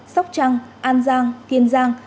sóc trăng an giang tiên giang